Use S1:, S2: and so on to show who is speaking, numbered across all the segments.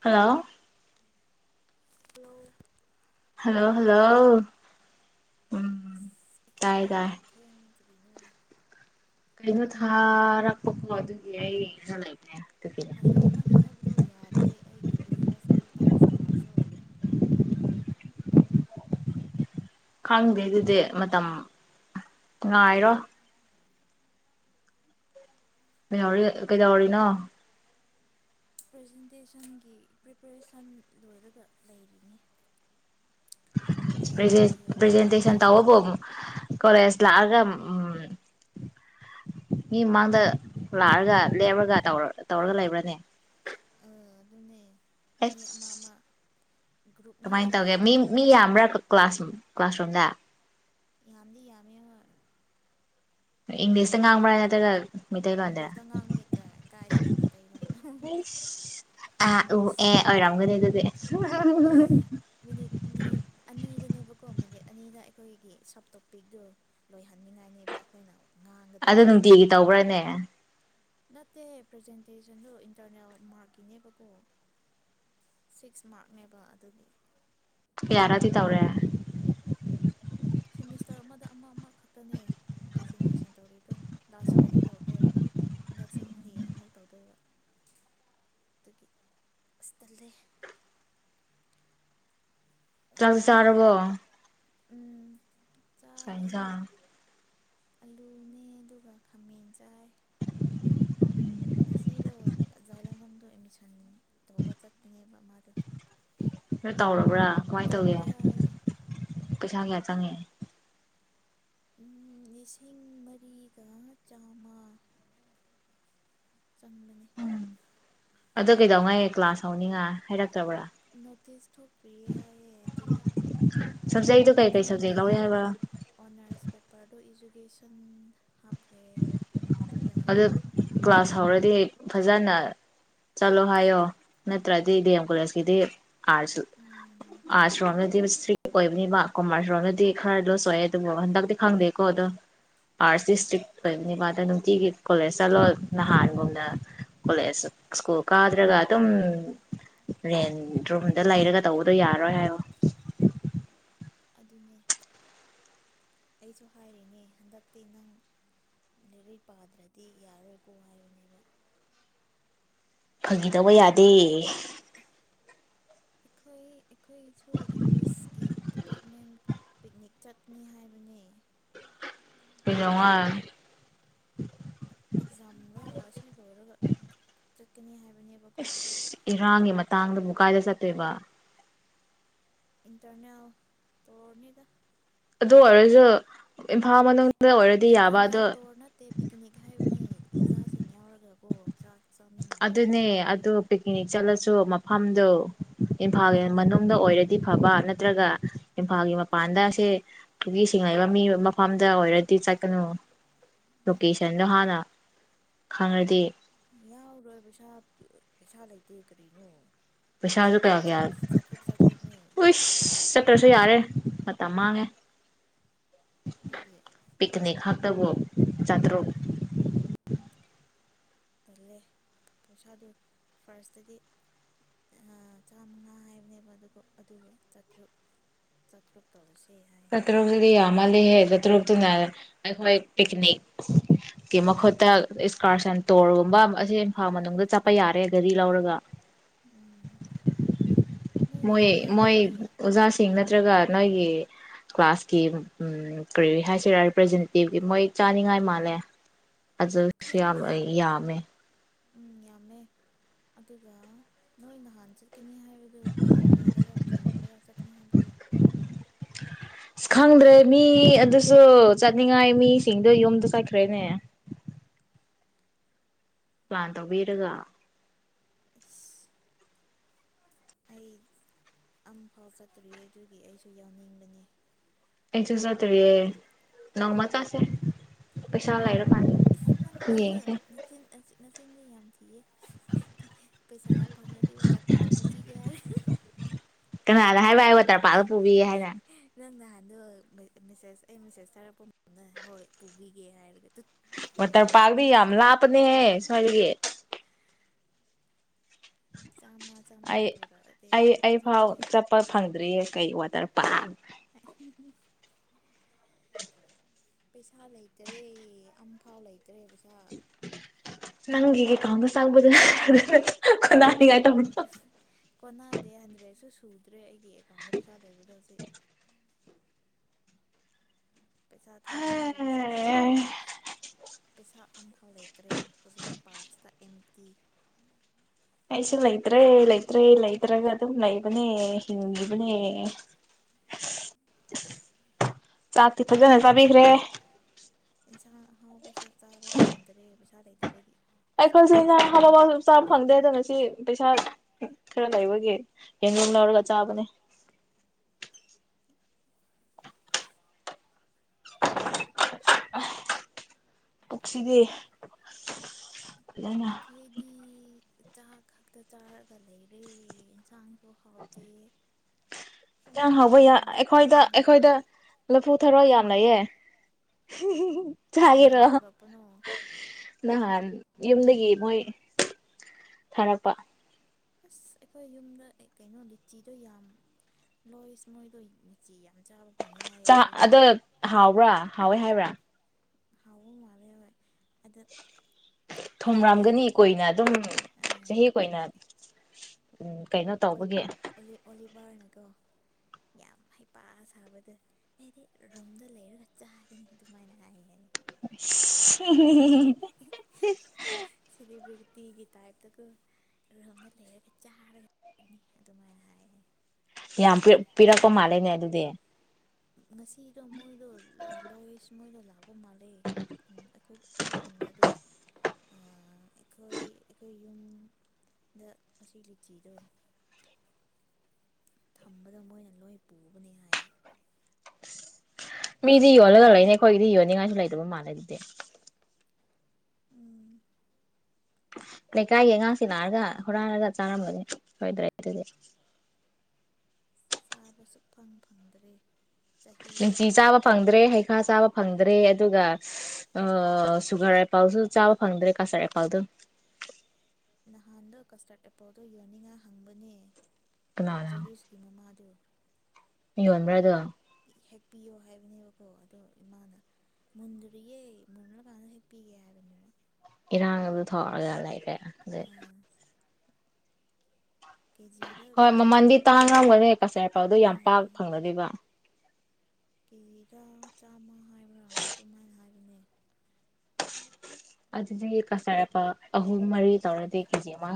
S1: Hello
S2: hello
S1: hello hello ꯎꯝ ꯇꯥꯏ ꯇꯥꯏ
S2: ꯅꯨ
S1: ꯑꯗꯨꯣ ꯊꯥꯔꯛꯄ ꯈꯣ ꯑꯗꯨꯗꯤ ꯑꯩ ꯂꯩꯦ
S2: ꯉꯁꯥꯏ ꯅꯪ ꯍꯥꯏꯕꯗꯣ ꯌꯥꯗꯦ ꯑꯩꯒꯤ ꯔꯤꯐ꯭ꯔꯦꯁ ꯑꯣꯜ ꯇꯥꯛꯁ ꯇꯧꯔꯁꯨ
S1: ꯈꯪꯗꯦ ꯑꯗꯨꯗꯤ ꯃꯇꯝ ꯉꯥꯏꯔꯣ ꯀꯩꯍꯎꯔꯤ ꯀꯩꯗꯧꯔꯤꯅꯣ
S2: ꯄ꯭ꯔꯖꯦꯟꯇꯦꯁꯟꯒꯤ ꯄ꯭ꯔꯤꯄꯔꯦꯁꯟ ꯂꯣꯏꯔꯒ ꯂꯩꯔꯤꯅꯤ
S1: ꯦꯦꯖꯦꯟꯇꯦꯁꯟ
S2: ꯍꯌꯦꯡ
S1: ꯇꯧꯕꯕ ꯀꯂꯦꯖ ꯂꯥꯛꯑꯒ ꯎꯝ ꯃꯤ ꯃꯥꯡꯗ ꯂꯥꯛꯑꯒ ꯂꯦꯞꯔꯒꯧ ꯇꯧꯔꯒ ꯂꯩꯕ꯭ꯔꯅꯦ
S2: ꯑ ꯑꯗꯨ ꯑꯗꯨꯅꯦ ꯃꯤ ꯑꯃ
S1: ꯑꯦꯁ
S2: ꯑꯃ
S1: ꯀꯃꯥꯏꯅ
S2: ꯒ꯭ꯔꯨꯞꯅꯦꯗꯅ
S1: ꯇꯧꯒꯦ ꯃꯤ
S2: ꯑꯗꯣ
S1: ꯃꯤ ꯌꯥꯝꯕ꯭ꯔꯥ ꯀ꯭ꯂꯥꯁ ꯀ꯭ꯂꯥꯁꯔꯨꯝꯗ
S2: ꯌꯥꯝꯗꯤ ꯌꯥꯝꯃꯦ ꯍꯣꯏ
S1: ꯏꯪꯂꯤꯁ ꯉꯥꯡꯕ꯭ꯔꯥ ꯅꯠꯇ꯭ꯔꯒ ꯃꯩꯇꯩꯂꯣꯟꯗꯅ
S2: ꯏꯪꯂꯤꯁꯇ ꯉꯥꯡꯕꯅꯦ ꯀꯥꯏ ꯀꯥꯏꯗꯒꯤ ꯃꯩꯇꯩꯂꯣꯟꯅꯣ
S1: ꯑꯥ ꯎ
S2: ꯏꯪꯂꯤꯁ
S1: ꯑꯦ ꯑꯣꯏꯔꯝꯒꯅꯤ ꯑꯗꯨꯗꯤ꯫
S2: ꯏꯁ ꯃꯤꯅꯤꯠ ꯃꯤꯅꯤꯠ ꯑꯅꯤꯗꯅꯦꯕꯀꯣ ꯃꯤꯅꯤꯠ ꯑꯅꯤꯗ ꯑꯩꯈꯣꯏꯒꯤ ꯁꯕ ꯇꯣꯄꯤꯛꯇꯨ ꯂꯣꯏꯍꯟꯅꯤꯡꯉꯥꯏꯅꯦꯕ ꯑꯩꯈꯣꯏꯅ꯫
S1: ꯑꯗꯨ
S2: ꯉꯥꯡꯒꯗꯕꯗꯣ
S1: ꯅꯨꯡꯇꯤꯒꯤ ꯇꯧꯕ꯭ꯔꯥꯅꯦ?
S2: ꯅꯠꯇꯦ ꯄ꯭ꯔꯖꯦꯟꯇꯦꯁꯟꯗꯨ ꯏꯟꯇꯔꯅꯦꯜ ꯃꯥꯔꯛꯀꯤꯅꯦꯕꯀꯣ ꯁꯤꯛꯁ ꯃꯥꯔꯛꯅꯦꯕ ꯑꯗꯨꯒꯤ
S1: ꯀꯌꯔꯛꯗꯤ ꯇꯧꯔꯦ?
S2: ꯁꯤꯃꯤꯁꯇꯔ ꯑꯃꯗ ꯑꯃ- ꯑꯃ꯫ ꯇꯅꯦ ꯄ꯭ꯔꯖꯦꯟꯇꯦꯁꯟ ꯇꯧꯔꯤꯗꯣ ꯂꯥꯁ ꯌꯤꯌꯥꯔꯁꯨ ꯇꯧꯈ꯭ꯔꯦ ꯍꯟꯗꯛꯁꯨ ꯍꯌꯦꯡ ꯑꯃꯨꯛ ꯇꯧꯗꯣꯏꯕ ꯑꯗꯨꯒꯤ ꯑꯁ ꯇꯜꯂꯦ꯫ ꯋꯥ
S1: ꯆꯥꯛ
S2: ꯉꯥꯡ
S1: ꯆꯥꯔꯕꯣ?
S2: ꯎꯝ꯫
S1: ꯀꯩ
S2: ꯆꯥꯔꯦ
S1: ꯏꯟꯖꯥꯡ
S2: ꯑꯂꯨꯅꯦ ꯑꯗꯨꯒ ꯈꯥꯃꯦꯟ ꯆꯥꯏ ꯉꯁꯤꯗꯣꯖꯥꯏ ꯂꯣꯡꯉꯝꯗꯣ ꯑꯦꯠꯃꯤꯁꯟ ꯇꯧꯕ ꯆꯠꯄꯅꯦꯕ ꯃꯗꯣ
S1: ꯅꯣꯏ ꯇꯧꯔꯕ꯭ꯔꯥ? ꯀꯃꯥꯏ ꯇꯧꯒꯦ ꯄꯩꯁꯥ ꯀꯌꯥ ꯆꯉꯦ?
S2: ꯂꯤꯁꯤꯡ ꯃꯔꯤꯒ ꯆꯥꯝꯃ ꯆꯪ
S1: ꯎꯝ ꯑꯗꯨ ꯀꯩꯗꯧꯉꯩ ꯀ꯭ꯂꯥꯁ ꯍꯧꯅꯤꯡꯉꯥꯏ ꯍꯥꯏꯔꯛ
S2: ꯅꯣꯇꯤꯁ ꯊꯣꯛꯇ꯭ꯔꯤ ꯍꯥꯏꯌꯦ ꯑꯗꯨꯒꯤ
S1: ꯁꯕꯖꯦꯛꯇꯣ ꯀꯩ ꯀꯩ ꯁꯕꯖꯦꯛ
S2: ꯈꯪꯗꯦ
S1: ꯂꯧꯋꯦ ꯍꯥꯏꯕ
S2: ꯑꯣꯅꯔꯁ ꯄꯦꯄꯔꯗꯣ ꯏꯖꯨ ꯀꯦꯁꯟ ꯍꯥꯞꯈ꯭ꯔꯦ ꯑꯗꯨꯒ
S1: ꯑꯗꯨ ꯀ꯭ꯂꯥꯁ ꯍꯧꯔꯗꯤ ꯐꯖꯅ ꯆꯠꯂꯣ ꯍꯥꯏꯌꯣ ꯅꯠꯇ꯭ꯔꯗꯤ ꯗꯤ ꯑꯦꯝ ꯀꯣꯂꯦꯖꯀꯤꯗꯤ ꯑꯥꯔꯠꯁ ꯑꯥꯔꯠꯁ ꯔꯣꯝꯗꯗꯤ ꯏꯁꯇ꯭ꯔꯤꯛ ꯑꯣꯏꯕꯅꯤꯕ ꯀꯣꯃꯔꯁ ꯔꯣꯝꯗꯗꯤ ꯈꯔ ꯂꯣꯁꯨ ꯑꯣꯏꯦ ꯑꯗꯨꯕꯨ ꯍꯟꯗꯛꯇꯤ ꯈꯪꯗꯦꯀꯣ ꯑꯗꯣ ꯑꯥꯔꯠꯁꯇꯤ ꯏꯁꯇ꯭ꯔꯤꯛ ꯊꯣꯏꯕ ꯕꯗ ꯅꯨꯡꯇꯤꯒꯤ ꯀꯣꯂꯦꯖ ꯆꯠꯂꯣ ꯅꯍꯥꯟꯒꯨꯝꯅ ꯀꯣꯂꯦꯖ ꯁ꯭ꯀꯨꯜ ꯀꯥꯗ꯭ꯔꯒ ꯑꯗꯨꯝ ꯔꯦꯟ ꯔꯨꯝꯗ ꯂꯩꯔꯒ ꯇꯧꯕꯗꯣ ꯌꯥꯔꯣꯏ ꯍꯥꯏꯌꯣ꯫
S2: ꯑꯗꯨꯅꯦ ꯑꯩꯁꯨ ꯍꯥꯏꯔꯤꯅꯦ ꯍꯟꯗꯛꯇꯤ ꯅꯪ ꯂꯥꯏꯔꯤꯛ ꯄꯥꯗ꯭ꯔꯗꯤ ꯌꯥꯔꯣꯏꯀꯣ ꯍꯥꯏꯕꯅꯦꯕ꯫
S1: ꯐꯒꯤꯇꯧꯕ ꯌꯥꯗꯦ꯫
S2: ꯑꯩꯈꯣꯏ ꯑꯩꯈꯣꯏꯁꯨ ꯏꯪꯂꯤꯁꯀꯤ ꯗꯤꯄꯥꯔꯠꯃꯦꯟ ꯄꯤꯛꯅꯤꯛ ꯆꯠꯅꯤ ꯍꯥꯏꯕꯅꯤ
S1: ꯀꯩꯗꯧ ꯉꯩ?
S2: ꯑꯦꯛꯖꯥꯝ ꯑꯁꯤ ꯂꯣꯏꯔꯒ ꯆꯠꯀꯅꯤ ꯍꯥꯏꯕ
S1: ꯑꯁ ꯏꯔꯥꯡꯒꯤ ꯃꯇꯥꯡꯗꯕꯨꯨ ꯀꯥꯏꯗ ꯆꯠ ꯇꯣꯏꯕ?
S2: ꯏꯟꯇꯔꯅꯦꯠ ꯇꯧꯔꯅꯤꯗ꯫
S1: ꯑꯗꯨ ꯑꯣꯏꯔꯁꯨ ꯏꯝꯐꯥꯜ
S2: ꯑꯦ
S1: ꯃꯅꯨꯡꯗ ꯑꯣꯏꯔꯗꯤ ꯌꯥꯕ ꯑꯗꯣ
S2: ꯏꯟꯇꯔꯅꯦꯜ ꯇꯣꯔ ꯅꯠꯇꯦ ꯄꯤꯛꯅꯤꯛ ꯍꯥꯏꯕꯅꯦ ꯑꯣꯖꯥꯁꯤꯡ ꯌꯥꯎꯔ ꯒꯀꯣ
S1: ꯑꯗꯨꯅꯦ ꯑꯗꯨ ꯄꯤꯛꯅꯤꯛ ꯆꯂ ꯁꯨ ꯃꯐꯝꯗꯨ
S2: ꯎꯝ
S1: ꯏꯝꯐꯥꯜꯒꯤ ꯃꯅꯨꯡꯗ ꯑꯣꯏꯔꯗꯤ ꯐꯕ ꯅꯠꯇ꯭ꯔꯒ ꯏꯝꯐꯥꯜꯒꯤ ꯃꯄꯥꯟꯗꯁꯦꯒꯤ ꯊꯤꯡꯉꯩꯕ ꯃꯤ ꯃꯐꯝꯗ ꯑꯣꯏꯔꯗꯤ ꯆꯠ ꯀꯩꯅꯣ ꯂꯣꯀꯦꯁꯟꯗꯣ ꯍꯥꯟꯅ ꯈꯪꯉꯗꯤ
S2: ꯌꯥꯎꯔꯣꯏ ꯄꯩꯁꯥ ꯄꯩꯁꯥ ꯂꯩꯇꯦ ꯀꯔꯤꯅꯣ
S1: ꯄꯩꯁꯥꯁꯨ ꯀꯌꯥ
S2: ꯆꯥꯇ꯭ꯔꯨꯛ
S1: ꯀꯌꯥ
S2: ꯆꯥꯇ꯭ꯔꯨꯛ ꯆꯥꯇ꯭ꯔꯨꯛꯅꯦ
S1: ꯍꯣꯏ ꯆꯠꯇ꯭ꯔꯁꯨ ꯌꯥꯔꯦ ꯃꯇꯝ ꯃꯥꯡꯉꯦ
S2: ꯑꯗꯨꯒꯤ
S1: ꯄꯤꯛꯅꯤꯛ ꯍꯥ ꯇꯧꯕ ꯆꯥꯇ꯭ꯔꯨꯛ
S2: ꯇꯜꯂꯦ ꯄꯩꯁꯥꯗꯨ ꯐꯥꯔꯁꯇꯗꯤ ꯆꯥꯝꯃꯉꯥ ꯍꯥꯏꯕꯅꯦꯕ ꯑꯗꯨꯒ ꯑꯗꯨꯒ ꯆꯥꯇ꯭ꯔꯨꯛ ꯆꯥꯇ꯭ꯔꯨꯛ ꯇꯧꯔꯁꯦ ꯍꯥꯏ
S1: ꯆꯥꯇ꯭ꯔꯨꯛꯇꯨꯗꯤ ꯌꯥꯝ ꯃꯥꯜꯂꯤꯍꯦ ꯆꯥꯇ꯭ꯔꯨꯛꯇꯨꯅ ꯑꯩꯈꯣꯏ ꯄꯤꯛꯅꯤꯛꯀꯤ ꯃꯍꯨꯠꯇ ꯏꯁꯀꯥꯔꯁꯟ ꯇꯣꯔꯒꯨꯝꯕ ꯑꯁꯤ ꯏꯝꯐꯥꯜ ꯃꯅꯨꯡꯗ ꯆꯠꯄ ꯌꯥꯔꯦ ꯒꯥꯔꯤ ꯂꯧꯔꯒ
S2: ꯎꯝ ꯅꯣꯏ
S1: ꯃꯣꯏ
S2: ꯅꯍꯥꯟ
S1: ꯃꯣꯏ
S2: ꯍꯥꯏꯕꯗꯨꯗꯤ
S1: ꯑꯣꯖꯥꯁꯤꯡ ꯅꯠꯇ꯭ꯔꯒ ꯅꯣꯏꯒꯤ ꯀ꯭ꯂꯥꯁꯀꯤ ꯎꯝ ꯀꯔꯤ ꯍꯥꯏꯁꯦ ꯔꯦꯄ꯭ꯔꯖꯦꯟꯇꯦꯇꯤꯚꯀꯤ ꯃꯣꯏ ꯆꯥꯅꯤꯡꯉꯥꯏ ꯃꯥꯜꯂꯦ ꯑꯗꯨꯁꯨ ꯌꯥꯝ
S2: ꯈꯪꯗꯦ
S1: ꯌꯥꯝꯃꯦ
S2: ꯎꯝ ꯌꯥꯝꯃꯦ ꯑꯗꯨꯒ ꯅꯣꯏ ꯅꯍꯥꯟ ꯆꯠ ꯆꯠꯀꯅꯤ ꯍꯥꯏꯕꯗꯨ ꯐꯩꯗꯤꯡꯒꯥꯗꯔ ꯀꯔꯤ ꯀꯔꯥ ꯆꯠꯅꯤ ꯍꯥꯏꯕꯗꯣ
S1: ꯑꯁ ꯈꯪꯗ꯭ꯔꯦ ꯃꯤ ꯑꯗꯨꯁꯨ ꯆꯠꯅꯤꯡꯉꯥꯏ ꯃꯤꯁꯤꯡꯗꯣ ꯌꯨꯝꯗ ꯆꯠꯈ꯭ꯔꯦꯅꯦ ꯄ꯭ꯂꯥꯟ ꯇꯧꯕꯤꯔꯒ
S2: ꯏꯁ ꯑꯩ ꯑꯝꯐꯥꯎ ꯆꯠꯇ꯭ꯔꯤꯌꯦ ꯑꯗꯨꯒꯤ ꯑꯩꯁꯨ ꯌꯥꯎꯅꯤꯡꯕꯅꯦ
S1: ꯑꯩꯁꯨ ꯆꯠꯇꯔꯤ ꯅꯣꯡꯃ ꯆꯠꯁꯦ ꯄꯩꯁꯥ ꯂꯔ
S2: ꯅꯪ ꯅꯆꯤꯟ ꯅꯆꯤꯟꯗꯤ ꯌꯥꯝ ꯊꯤ ꯄꯩꯁꯥ ꯐꯪꯉꯗꯤ ꯋꯥꯇꯔ ꯄꯥꯛꯇ ꯄꯨꯕꯤꯒꯦ
S1: ꯀꯅꯥꯅ ꯍꯥꯏꯕ ꯍꯥꯏ ꯋꯥꯇꯔꯄꯥꯥꯛꯇ ꯄꯨꯕꯤꯒꯦ ꯍꯥꯏꯅ
S2: ꯅꯪ ꯅꯍꯥꯟꯗꯣ ꯃꯦꯁꯦꯁ ꯑꯩ ꯃꯦꯁꯦꯖ ꯊꯥꯔꯛꯄ ꯃꯇꯝꯗ ꯍꯣꯏ ꯄꯨꯕꯤꯒꯦ ꯍꯥꯏꯔꯒ
S1: ꯋꯥꯇꯔ ꯄꯥꯛꯗꯤ ꯌꯥꯝ ꯂꯥꯞꯄꯅꯦꯍꯦ ꯁ꯭ꯋꯥꯏꯗꯒꯤ
S2: ꯆꯥꯝꯃ ꯆꯥꯝꯃ
S1: ꯑꯩ
S2: ꯄꯨꯔꯛꯑꯗꯤ
S1: ꯑꯩ ꯑꯩ ꯐꯥꯎ
S2: ꯆꯠꯄ ꯌꯥꯔꯦ
S1: ꯆꯠꯄ ꯐꯪꯗ꯭ꯔꯤꯌꯦ ꯀꯩ ꯋꯥꯇꯔ ꯄꯥꯠ
S2: ꯄꯩꯁꯥ ꯂꯩꯇꯔꯦ ꯑꯃꯐꯥꯎ ꯂꯩꯇꯔꯦ ꯄꯩꯁꯥ
S1: ꯅꯪꯒꯤ ꯑꯦꯀꯥꯎꯟꯗ ꯆꯪꯕꯗꯨ [unintelligible]
S2: ꯀꯣꯟꯅꯗꯦ ꯍꯟꯗ꯭ꯔꯦꯠꯁꯨ ꯁꯨꯗ꯭ꯔꯦ ꯑꯩꯒꯤ ꯑꯦꯀꯥꯎꯟꯗ ꯄꯩꯁꯥ ꯂꯩꯕꯗꯣ ꯍꯧꯖꯤꯛ ꯄꯩꯁꯥ ꯊꯥꯔꯛꯎ ꯄꯩꯁꯥ ꯂꯩꯔꯗꯤ ꯄꯩꯁꯥ ꯑꯝꯐꯥꯎ ꯂꯩꯇ꯭ꯔꯦ ꯍꯧꯖꯤꯛ ꯄꯥꯔꯁꯇ ꯑꯦꯝ ꯇꯤ
S1: ꯑꯩꯁꯨ ꯂꯩꯇ꯭ꯔꯦ ꯂꯩꯇ꯭ꯔꯦ ꯂꯩꯇ꯭ꯔꯒ ꯑꯗꯨꯝ ꯂꯩꯕꯅꯦ ꯍꯤꯡꯈꯤꯕꯅꯦ ꯆꯥꯛꯇꯤ ꯐꯖꯅ ꯆꯥꯕꯤꯈ꯭ꯔꯦ
S2: ꯏꯟꯁꯥꯡ ꯑꯍꯥꯎꯕꯁꯨ ꯆꯥꯕ ꯐꯪꯗ꯭ꯔꯦ ꯄꯩꯁꯥ ꯂꯩꯇꯕꯒꯤ
S1: ꯑꯩꯈꯣꯏꯁꯨ ꯏꯟꯖꯥꯡ ꯑꯍꯥꯎꯕ ꯆꯥꯕ ꯐꯪꯗꯦꯗ ꯄꯩꯁꯥ ꯈꯔ ꯂꯩꯕꯒꯤ ꯌꯦꯟꯒꯨꯝ ꯂꯧꯔꯒ ꯆꯥꯕꯅꯦ ꯄꯨꯛꯁꯤꯗꯤ ꯐꯖꯅ
S2: ꯑꯩꯈꯣꯏꯗꯤ ꯆꯥꯛ ꯈꯛꯇ ꯆꯥꯔ
S1: ꯏꯟꯖꯥꯡ ꯍꯥꯎꯕ ꯌꯥ
S2: ꯃꯃꯜꯅ
S1: ꯑꯩꯈꯣꯏꯗ
S2: ꯇꯥꯡꯕ
S1: ꯑꯩꯈꯣꯏꯗ ꯂꯐꯨ ꯊꯔꯣ ꯌꯥꯝ ꯂꯩꯌꯦ ꯆꯥꯒꯦꯔꯣ
S2: ꯀꯅꯥꯅ
S1: ꯍ
S2: ꯄꯨꯔꯛꯄꯅꯣ
S1: ꯅꯍꯥꯟ ꯌꯨꯝꯗꯒꯤ ꯃꯣꯏ ꯊꯥꯔꯛꯄ
S2: ꯑꯁ ꯑꯩꯈꯣꯏ ꯌꯨꯝꯗ ꯀꯩ ꯀꯩꯅꯣ ꯂꯤꯆꯤꯗꯣ ꯌꯥꯝ ꯂꯣꯏꯁ ꯃꯣꯏꯗꯣ ꯂꯤꯆꯤ ꯌꯥꯝ ꯆꯥꯕ ꯐꯪꯉꯦ ꯍꯥꯏꯌꯦ
S1: ꯆꯥ
S2: ꯑꯩꯈꯣꯏꯒꯤ
S1: ꯑꯗ ꯍꯥꯎꯕ꯭ꯔꯥ ꯍꯥꯎꯋꯦ ꯍꯥꯏꯕ꯭ꯔꯥ
S2: ꯍꯥꯎꯕ ꯃꯥꯜꯂꯦꯕ
S1: ꯊꯨꯝꯔꯝꯒꯅꯤ ꯀꯨꯏꯅ ꯑꯗꯨꯝ ꯆꯍꯤ ꯀꯨꯏꯅ ꯎꯝ ꯀꯩꯅꯣ ꯇꯧꯕꯒꯤ
S2: ꯕꯔꯅꯀꯣ ꯌꯥꯝ ꯍꯩꯄꯥ ꯁꯥꯕꯗ ꯑꯩꯗꯤ ꯔꯨꯝꯗ ꯂꯩꯔꯒ ꯆꯥꯒꯅꯤ ꯑꯗꯨꯃꯥꯏꯅ ꯍꯥꯏ ꯍꯥꯏꯌꯦ
S1: ꯎꯝ ꯁꯤꯁꯁ- ꯎꯝ ꯍꯨꯝ-ꯍꯨꯝ- ꯍꯝ-ꯍꯝ-
S2: ꯑꯦꯕ꯭ꯔꯤꯒꯤꯇꯤꯒꯤ ꯇꯥꯏꯞꯇꯀꯣ ꯔꯨꯝꯗ ꯂꯩꯔꯒ ꯆꯥꯔꯒ ꯂꯩꯅꯤ ꯑꯗꯨꯃꯥꯏꯅ ꯍꯥꯏ ꯍꯥꯏꯌꯦ
S1: ꯌꯥꯝ ꯄꯤꯔꯛ ꯄꯤꯔꯛꯄ ꯃꯥꯜꯂꯦꯅꯦ ꯑꯗꯨꯗꯤ
S2: ꯉꯁꯤꯗꯣ ꯃꯣꯏ ꯂꯣ ꯂꯣ ꯂꯣꯏꯁ ꯃꯣꯏꯗꯣ ꯂꯥꯛ ꯄ ꯃꯥꯜꯂꯦ ꯈꯨꯟꯇ ꯀꯣ ꯑꯩꯈꯣꯏ ꯈꯨꯟꯗ ꯑꯗꯨꯒ ꯑꯑ- ꯑꯩꯈꯣꯏ ꯑꯩꯈꯣꯏ ꯌꯨꯝ ꯗ ꯑꯁꯤ ꯂꯤꯆꯤꯗꯣ ꯊꯝꯕꯗ ꯃꯣꯏꯅ ꯂꯣꯏ ꯄꯨꯕꯅꯤ ꯍꯥꯏꯌꯦ
S1: ꯃꯤꯗꯤ ꯌꯣꯜꯂꯒ ꯂꯩꯔꯦ ꯑꯩꯈꯣꯏꯒꯤꯗꯤ ꯌꯣꯟꯅꯤꯉꯥꯏꯁꯨ ꯂꯩꯇꯕ ꯃꯥꯜꯂꯦ ꯑꯗꯨꯗꯤ
S2: ꯎꯝ
S1: ꯂꯩꯀꯥꯏꯒꯤ ꯑꯉꯥꯡꯁꯤ ꯁꯤꯡꯅꯒ ꯍꯨꯔꯥꯟꯂꯒ ꯆꯥꯔꯝꯒꯅꯤ ꯁꯣꯏꯗ꯭ꯔꯦ ꯑꯗꯨꯗꯤ
S2: ꯆꯥꯕ ꯁꯨꯛꯐꯪ ꯐꯪꯗ꯭ꯔꯦ ꯆꯍꯤ
S1: ꯂꯤꯆꯤ ꯆꯥꯕ ꯐꯪꯗ꯭ꯔꯦ ꯍꯩꯈꯥ ꯆꯥꯕ ꯐꯪꯗ꯭ꯔꯦ ꯑꯗꯨꯒ ꯁꯍꯍ ꯑꯑ ꯁꯨꯒꯔ ꯑꯦꯄꯜ ꯁꯨ ꯆꯥꯕ ꯐꯪꯗ꯭ꯔꯦ ꯀꯁꯇꯔꯗ ꯑꯦꯄꯥꯜꯗꯨ
S2: ꯅꯍꯥꯟꯗꯣ ꯀꯁꯇꯥꯔꯗ ꯑꯦꯄꯜꯗꯣ ꯌꯣꯟꯅꯤꯡꯉꯥꯏ ꯍꯪꯕꯅꯦ
S1: ꯀꯅꯥꯅ
S2: ꯖꯨꯔꯤꯁꯀꯤ ꯃꯃꯥꯗꯨ
S1: ꯌꯣꯟꯕ꯭ꯔꯥꯗꯣ
S2: ꯍꯦꯛꯄꯤꯌꯣ ꯍꯥꯏꯕꯅꯦꯕꯀꯣ ꯑꯗꯣ ꯏꯃꯥꯅ ꯃꯨꯟꯗ꯭ꯔꯤꯌꯦ ꯃꯨꯟꯔꯀꯥꯟꯗ ꯍꯦꯛꯄꯤꯒꯦ ꯍꯥꯏꯕꯅꯦꯕ
S1: ꯏꯔꯥꯡ ꯑꯗꯨ ꯊꯣꯛꯑꯒ ꯂꯩꯔꯦ ꯑꯗꯩ
S2: ꯑꯥ ꯀꯦꯖꯤꯗ
S1: ꯍꯣꯏ
S2: ꯍꯥꯏꯕ꯭ꯔꯥ
S1: ꯃꯃꯜꯗꯤ ꯇꯥꯡꯉꯝꯒꯅꯤ ꯀꯁꯇꯔꯗ ꯑꯦꯄꯜꯗꯨ ꯌꯥꯝ ꯄꯥꯛ
S2: ꯎꯝ
S1: ꯐꯪꯅꯗꯦꯕ
S2: ꯀꯦꯖꯤꯗ ꯆꯥꯝꯃ ꯍꯥꯏ
S1: ꯁꯍ ꯑꯗꯨꯗꯤ ꯀꯁꯇꯔꯗ ꯑꯦꯄꯜ ꯑꯍꯨꯝ ꯃꯔꯤ ꯇꯧꯔꯗꯤ ꯀꯦꯖꯤ ꯑꯃ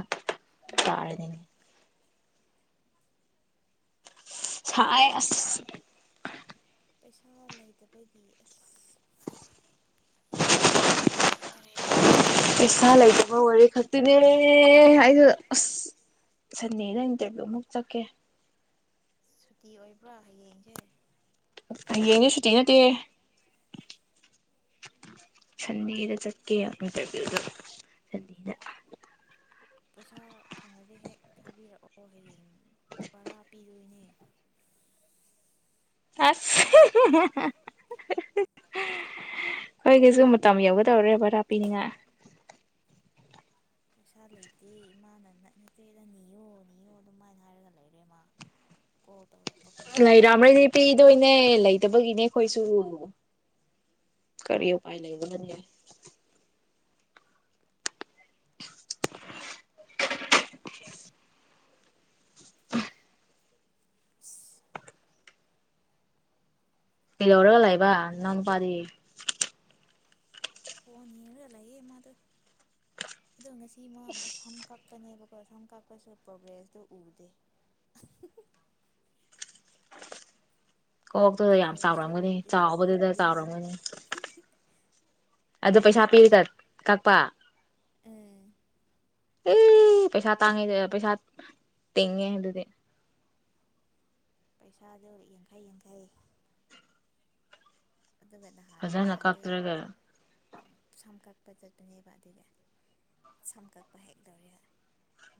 S2: ꯎꯝ
S1: ꯇꯥꯔꯅꯤꯅꯦ ꯁꯥꯏꯁ
S2: ꯄꯩꯁꯥ ꯂꯩꯇꯕꯒꯤ ꯑꯁ ꯎꯄꯥꯏ ꯂꯩꯇꯔꯦ
S1: ꯄꯩꯁꯥ ꯂꯩꯇꯕ ꯋꯥꯔꯤ ꯈꯛꯇꯤꯅꯦ ꯑꯩꯗꯣ ꯑꯁ ꯁꯟꯗꯦꯅ ꯏꯟꯇꯔꯚꯤꯌꯨ ꯑꯃꯨꯛ ꯆꯠꯀꯦ
S2: ꯁꯨꯇꯤ ꯑꯣꯏꯕ꯭ꯔꯥ ꯍꯌꯦꯡꯁꯦ
S1: ꯌꯦꯡꯁ ꯁꯨꯇꯤ ꯅꯠꯇꯦ ꯁꯟꯗꯦꯗ ꯆꯠꯀꯦ ꯏꯟꯇꯔꯚꯤꯌꯨꯗ ꯁꯟꯗꯦꯗ
S2: ꯄꯩꯁꯥ ꯐꯪꯂꯉꯗꯤ ꯍꯦꯛ ꯊꯥꯕꯤꯔꯛꯑꯣ ꯍꯌꯦꯡ ꯕꯔꯥ ꯄꯤꯗꯣꯏꯅꯦ
S1: ꯑꯁ ꯑꯩꯈꯣꯏꯒꯤꯁꯨ ꯃꯇꯝ ꯌꯧꯒꯗꯧꯔꯦ ꯕꯔꯥ ꯄꯤꯅꯤꯡꯉ
S2: ꯄꯩꯁꯥ ꯂꯩꯇꯦ ꯏꯃꯥꯅ ꯅ ꯅꯠꯇꯦꯗ ꯅꯤꯌꯣ ꯅꯤꯌꯣ ꯑꯗꯨꯃꯥꯏꯅ ꯍꯥꯏꯔꯒ ꯂꯩꯔꯦꯃ ꯀ
S1: ꯔꯝꯂꯤ ꯂꯤꯄꯤ ꯏꯗꯨ ꯏꯅꯦꯦ ꯏꯂ ꯠꯇꯕꯒꯤꯅꯦ ꯑꯩꯈꯣꯏꯁꯨ ꯀꯔꯤ ꯎꯄꯥꯏ ꯂꯩꯕꯅꯤ [inaudible]
S2: ꯑꯁ
S1: ꯏ ꯂꯧ ꯂꯧꯔꯒ ꯂꯩꯏꯕ ꯅꯪꯄꯥꯔꯤ
S2: ꯐꯅꯤ ꯌꯦꯔꯂꯑꯃ ꯑꯗꯨ ꯑꯗꯣ ꯉꯁꯤ ꯃꯉ ꯁꯝꯀꯞ ꯀꯛꯀꯅꯦꯕꯀꯣ ꯁꯣꯝ ꯀꯥꯞꯄꯁꯨ ꯄ꯭ꯔꯣꯒ꯭ꯔꯦꯁꯇꯣ ꯎꯗꯦ
S1: ꯀꯣꯛꯇꯨꯗ ꯌꯥꯝ
S2: ꯗꯤꯐ꯭ꯔꯦꯟꯁꯇꯣ
S1: ꯆꯥꯎꯔꯝꯒꯅꯤ
S2: ꯎꯗꯦ
S1: ꯆꯥꯎꯕꯗꯨꯗ
S2: ꯎꯗꯦ ꯍꯥꯏꯕ
S1: ꯆꯥꯎꯔꯝꯒꯅꯤ ꯑꯗꯨꯣ ꯄꯩꯁꯥ
S2: ꯍꯥꯏ
S1: ꯄꯤꯔꯤꯒ ꯀꯛꯄ
S2: ꯎꯝ
S1: ꯑꯦ ꯄꯩꯁꯥ ꯇꯥꯡꯉꯤ ꯄꯩꯁꯥ ꯇꯤꯡꯉꯦ ꯑꯗꯨꯗꯤ
S2: ꯄꯩꯁꯥꯗꯣ ꯌꯥꯡꯈꯩ ꯌꯥꯡꯈꯩ ꯑꯗꯨꯒ ꯅꯍꯥꯟ
S1: ꯐꯖꯅ
S2: ꯅꯍꯥꯟꯗꯣ
S1: ꯀꯞꯆ꯭ꯔꯒ
S2: ꯁꯝ ꯀꯛꯄ ꯆꯠꯄꯅꯦꯕ ꯑꯗꯨꯗꯤ ꯁꯝ ꯀꯛꯄ ꯍꯦꯛ ꯂꯧꯔꯦ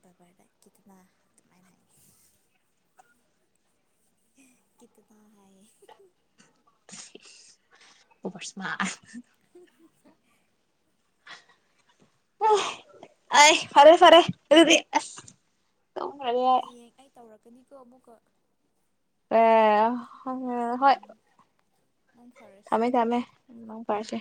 S2: ꯕꯕꯔꯗ ꯀꯈꯤꯗꯅ ꯑꯗꯨꯃꯥꯏꯅ ꯍꯥꯏꯪꯉꯤ ꯀꯇꯗ ꯍꯥꯏꯌꯦ
S1: ꯑꯣ ꯁꯃ
S2: [inaudible]
S1: ꯑ ꯐꯔꯦ ꯐꯔꯦꯗꯤ ꯃꯔ
S2: ꯅꯤ ꯀꯃ ꯀ
S1: ꯑ ꯑ ꯍꯣꯏ
S2: ꯃꯪ ꯐꯔꯁꯦ
S1: ꯊꯃꯦ ꯊꯃꯦ ꯃꯥ
S2: ꯎꯝ
S1: ꯐꯔꯁꯦ